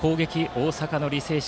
大阪の履正社。